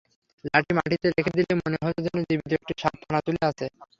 লাঠি মাটিতে রেখে দিলে মনে হত যেন জীবিত একটি সাপ ফনা তুলে আছে।